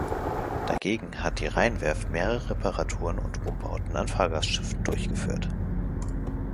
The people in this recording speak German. Dagegen hat die Rheinwerft mehrere Reparaturen und Umbauten an Fahrgastschiffen durchgeführt.